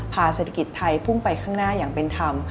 เศรษฐกิจไทยพุ่งไปข้างหน้าอย่างเป็นธรรม